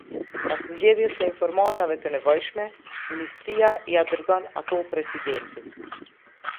Pas mbledhjes së informatave të nevojshme, Ministria ia dërgon ato Presidentit.